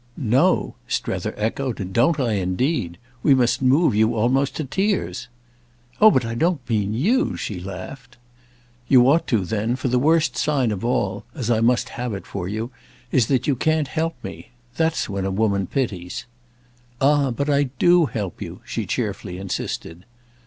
"'Know'?" Strether echoed—"don't I, indeed? We must move you almost to tears." "Oh but I don't mean you!" she laughed. "You ought to then, for the worst sign of all—as I must have it for you—is that you can't help me. That's when a woman pities." "Ah but I do help you!" she cheerfully insisted.